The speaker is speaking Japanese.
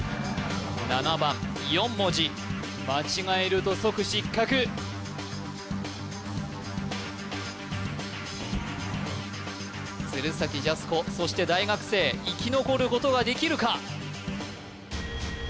７番４文字鶴崎ジャスコそして大学生生き残ることができるか？